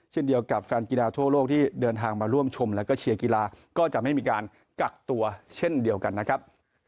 เช่นเดียวกับแฟนกีฬาทั่วโลกที่เดินทางมาร่วมชมแล้วก็เชียร์กีฬาก็จะไม่มีการกักตัวเช่นเดียวกันนะครับ